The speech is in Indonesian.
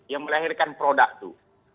yang melahirkan produk itu